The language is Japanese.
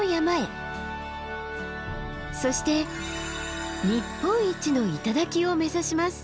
そして日本一の頂を目指します。